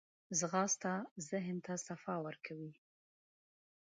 ځغاسته د ذهن ته صفا ورکوي